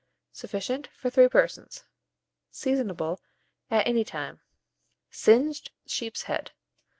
Sufficient for 3 persons. Seasonable at any time. SINGED SHEEP'S HEAD.